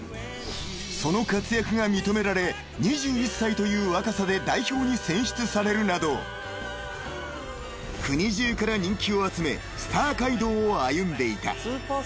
［その活躍が認められ２１歳という若さで代表に選出されるなど国中から人気を集めスター街道を歩んでいた］